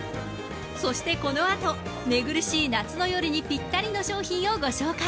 そしてこのあと、寝苦しい夏の夜にぴったりの商品をご紹介。